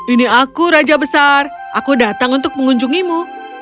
ini aku raja besar aku datang untuk mengunjungimu